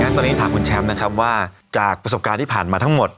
ตอนนี้ถามคุณแชมป์นะครับว่าจากประสบการณ์ที่ผ่านมาทั้งหมด